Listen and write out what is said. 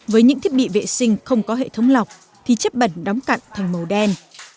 với những thiết bị vệ sinh không có hệ thống lọc thì chất bẩn đóng cặn thành màu đen